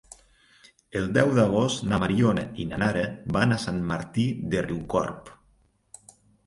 El deu d'agost na Mariona i na Nara van a Sant Martí de Riucorb.